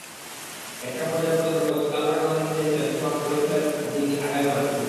একটা পর্যায় পর্যন্ত কোচ কালপাগেও নাকি চেয়েছিলেন সোহাগ পরীক্ষাটা দিন আগামী মার্চে।